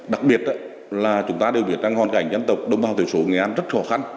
đặc biệt là chúng ta đều biết rằng hoàn cảnh dân tộc đông vào thời số người ăn rất khó khăn